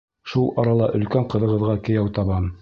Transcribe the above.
Шул арала өлкән ҡыҙығыҙға кейәү табам.